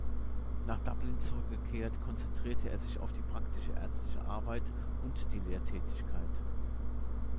Nach Dublin zurückgekehrt konzentrierte er sich auf die praktische ärztliche Arbeit und die Lehrtätigkeit.